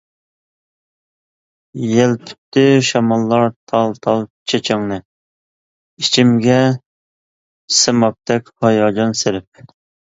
يەلپۈتتى شاماللار تال-تال چېچىڭنى، ئىچىمگە سىمابتەك ھاياجان سېلىپ.